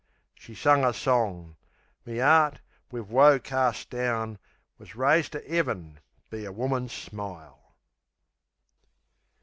She sung a song....Me 'eart, wiv woe carst down, Wus raised to 'Eaven be a woman's smile.